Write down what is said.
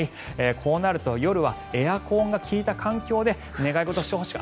こうなると夜はエアコンが利いた環境で願い事をしてほしい。